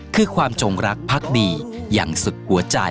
คือความจงรักพักดีอย่างสุดหัวใจ